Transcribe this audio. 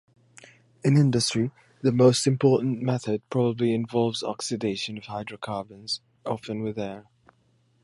In industry, the most important method probably involves oxidation of hydrocarbons, often with air.